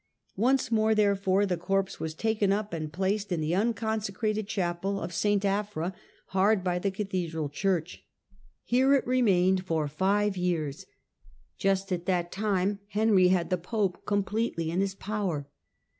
Once more therefore the corpse was taken up and placed in the unconsecrated chapel of S. Afra, hard by the cathedral church. Here it remained for five years. Just at that time Henry had the pope completely in his power.